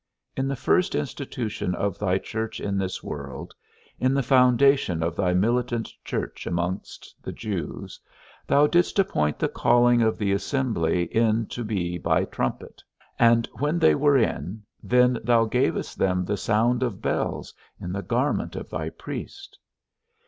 In the first institution of thy church in this world, in the foundation of thy militant church amongst the Jews, thou didst appoint the calling of the assembly in to be by trumpet; and when they were in, then thou gavest them the sound of bells in the garment of thy priest.